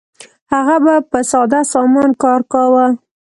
هغه به په ساده سامان کار کاوه.